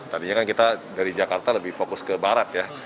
tadinya kan kita dari jakarta lebih fokus ke barat ya